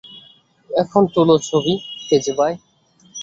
এখন তুলো ছবি, ফেজি ভাই।